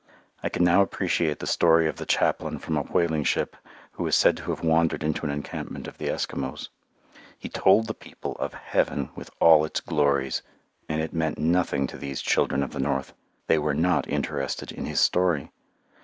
I can now appreciate the story of the chaplain from a whaling ship who is said to have wandered into an encampment of the Eskimos. He told the people of heaven with all its glories, and it meant nothing to these children of the North; they were not interested in his story.